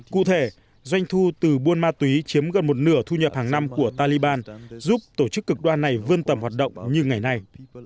cụ thể doanh thu từ buôn ma túy chiếm gần một nửa thu nhập hàng năm của taliban giúp tổ chức cực đoan này vươn tầm hoạt động như ngày nay